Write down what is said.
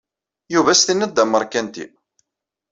Yuba ad as-tiniḍ d amerkanti.